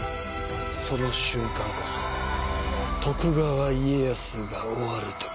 その瞬間こそ徳川家康が終わる時。